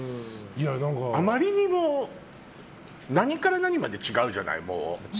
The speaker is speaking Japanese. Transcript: あまりにも何から何まで違うじゃない、もう。